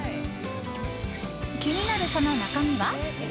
気になるその中身は？